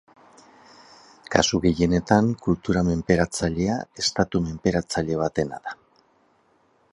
Kasu gehienetan kultura menperatzailea estatu menperatzaile batena da.